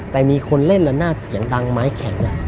แต่มีคนเล่นละนาดเสียงดังไม้แข็ง